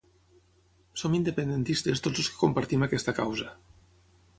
Som independentistes tots els que compartim aquesta causa.